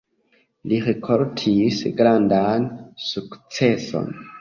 Li rikoltis grandan sukceson.